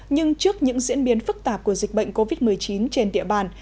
nhưng trước những diễn biến phức tạp của dịch bệnh covid một mươi chín trên địa bàn